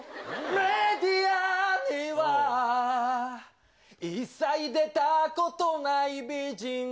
メディアには一切出たことない美人。